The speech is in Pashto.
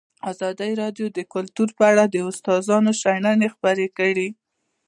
ازادي راډیو د کلتور په اړه د استادانو شننې خپرې کړي.